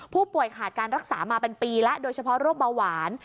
ผู้ป่วยขาดการรักษามาเป็นปีแล้วโดยเฉพาะโรคเบาหวาน